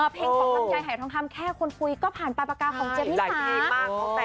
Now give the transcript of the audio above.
เพลงของลำไยหายทองคำแค่คนคุยก็ผ่านปลายปากกาของเจมนี่สา